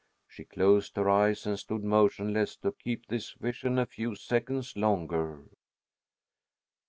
She closed her eyes and stood motionless to keep this vision a few seconds longer.